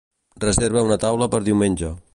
Reserva una taula per diumenge.